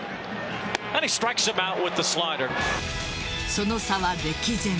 その差は歴然。